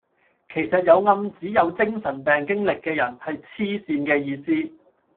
其實有暗指有精神病經歷嘅人係痴線嘅意思